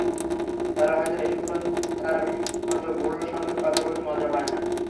তারা হয়তো বেশিক্ষণ তাঁর মতো বুড়োর সঙ্গে কথা বলে মজা পায় না।